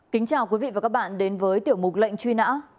kính chào quý vị và các bạn đến với tiểu mục lệnh truy nã